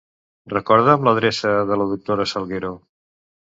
Recorda'm l'adreça de la doctora Salguero.